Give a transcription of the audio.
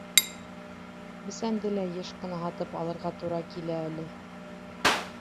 Бесәнде лә йыш ҡына һатып алырға тура килә әле.